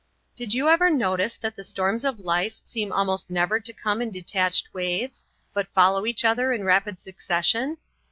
Did you ever notice that the storms of life seem almost never to come in detached waves, but follow each other in rapid succession?